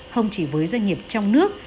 không chỉ với doanh nghiệp trong nước